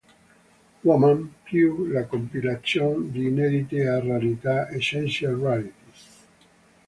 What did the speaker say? Woman" più la compilation di inediti e rarità "Essential Rarities".